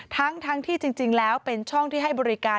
ทั้งที่จริงแล้วเป็นช่องที่ให้บริการ